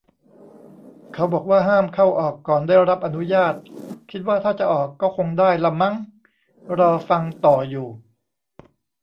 เขาบอกว่า ห้ามเข้าออก ก่อนได้รับอนุญาต คิดว่าถ้าจะออก ก็คงได้ล่ะมั้ง รอฟังต่ออยู่